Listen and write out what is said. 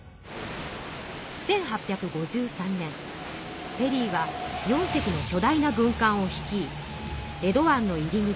１８５３年ペリーは４隻のきょ大な軍艦を率い江戸湾の入り口